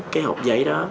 cái hộp giấy đó